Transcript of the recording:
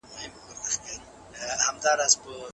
نجونې به په ډلو ډلو بازارونو ته راوستل کېدې.